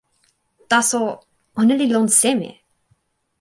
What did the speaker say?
taso, ona li lon seme?